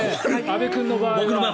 安部君の場合は。